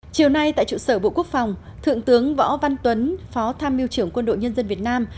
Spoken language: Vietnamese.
chiều nay tại trụ sở bộ quốc phòng thượng tướng võ văn tuấn phó tham mưu trưởng quân đội nhân dân việt nam